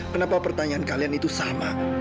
kenapa pertanyaan kalian itu sama